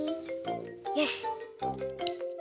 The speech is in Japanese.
よし！